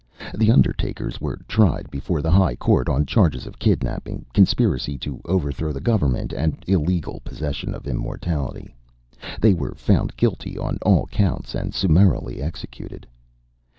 The Undertakers were tried before the High Court on charges of kidnapping, conspiracy to overthrow the government, and illegal possession of immortality. They were found guilty on all counts and summarily executed.